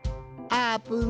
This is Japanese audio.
あーぷん！